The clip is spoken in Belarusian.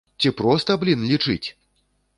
Ці проста, блін, лічыць?